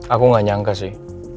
aku gak nyangka sih